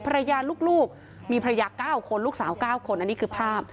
ลูกมีภรรยา๙คนลูกสาว๙คนอันนี้คือภาพ